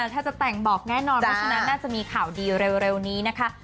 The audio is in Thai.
ถ้าจะแต่งบอกแน่นอนเพราะฉะนั้นน่าจะมีข่าวดีเร็วนี้นะคะ